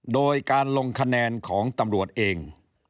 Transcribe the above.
โดยการลงคะแนนของตำรวจเอง